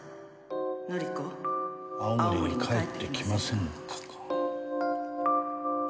紀子」「青森に帰って来ませんか？」か。